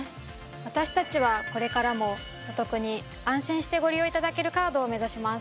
私たちはこれからもお得に安心してご利用いただけるカードを目指します。